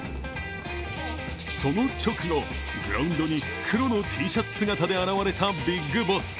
その直後、グラウンドに黒のＴシャツで現れたビッグボス。